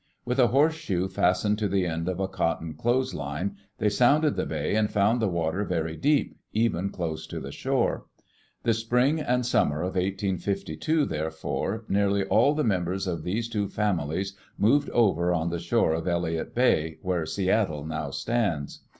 With a horseshoe fastened to the end of ^ cotton clothes line, they sounded the bay and found the water very deep, even close to the shore. The spring and summer of 1852, therefore, nearly all the members of these two families moved over on the shore of Elliott Bay, where Seattle now stands.